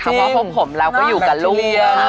เพราะพบผมเราก็อยู่กับลูก